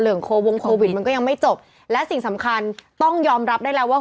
โควงโควิดมันก็ยังไม่จบและสิ่งสำคัญต้องยอมรับได้แล้วว่า